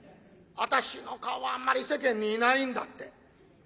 私の顔はあんまり世間にいないんだって。